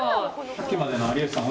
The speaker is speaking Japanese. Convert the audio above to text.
さっきまでの有吉さん